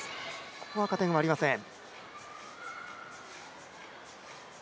ここは加点はありません。